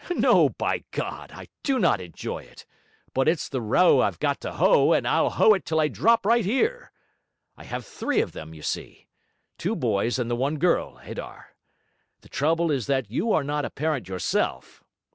No, by God, I do not enjoy it! but it's the row I've got to hoe, and I'll hoe it till I drop right here. I have three of them, you see, two boys and the one girl, Adar. The trouble is that you are not a parent yourself.